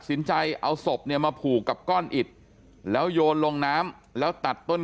สินใจเอาศพเนี่ยมาผูกกับก้อนอิดแล้วโยนลงน้ำแล้วตัดต้น